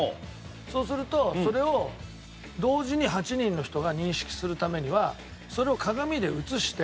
そうするとそれを同時に８人の人が認識するためにはそれを鏡で映して。